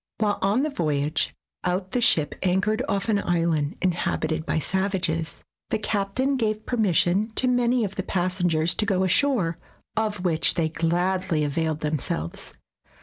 While on the voy age out the ship anchored off an island inhabited by savages. The captain gave permission to many of the passengers to go ashore, of which they gladly availed them selves.